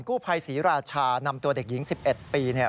ผู้ภัยศรีราชานำตัวเด็กหญิง๑๑ปีเนี่ย